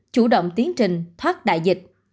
chủ động tiến trình thoát đại dịch